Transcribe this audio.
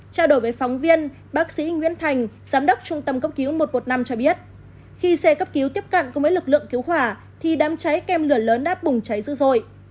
trao đổi với phóng viên bác sĩ nguyễn thành giám đốc trung tâm cấp cứu một trăm một mươi năm cho biết khi xe cấp cứu tiếp cận cùng với lực lượng cứu hỏa thì đám cháy kèm lửa lớn đã bùng cháy dữ dội